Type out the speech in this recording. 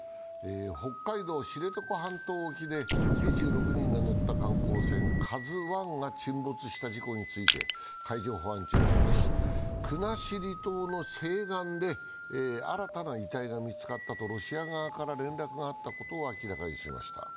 北海道知床半島沖で２６人が乗った観光船「ＫＡＺＵⅠ」が沈没した事故について海上保安庁はこの日、国後島の西岸で新たな遺体が見つかったとロシア側から連絡があったことを明らかにしました。